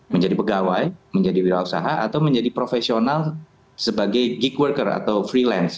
menjadi pegawai menjadi wira usaha atau menjadi profesional sebagai gig worker atau freelance